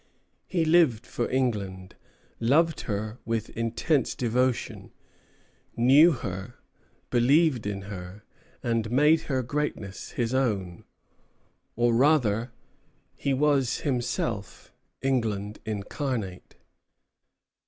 He lived for England, loved her with intense devotion, knew her, believed in her, and made her greatness his own; or rather, he was himself England incarnate.